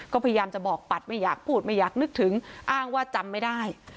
ก็พยายามจะบอกปัดไม่อยากพูดไม่อยากนึกถึงอ้างว่าจำไม่ได้